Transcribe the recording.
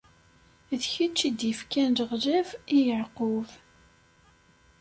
D kečč i d-ifkan leɣlab i Yeɛqub!